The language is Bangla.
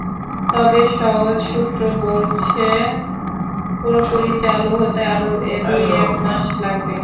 তবে সওজ সূত্র বলছে, পুরোপুরি চালু হতে আরও দু-এক মাস লাগবে।